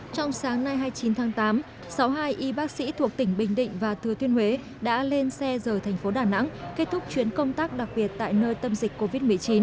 trong sáng nay hai mươi chín tháng tám sáu hai y bác sĩ thuộc tỉnh bình định và thừa thiên huế đã lên xe rời thành phố đà nẵng kết thúc chuyến công tác đặc biệt tại nơi tâm dịch covid một mươi chín